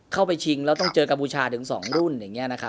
เข้าไปชิงแล้วต้องเจอกับบูชาถึงสองรุ่น